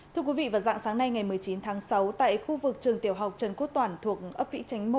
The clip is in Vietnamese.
thưa quý vị vào dạng sáng nay ngày một mươi chín tháng sáu tại khu vực trường tiểu học trần quốc toàn thuộc ấp vĩ chánh một